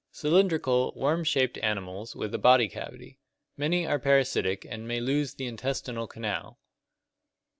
Cylindrical, worm shaped animals with a body cavity. Many are parasitic and may lose the intestinal canal.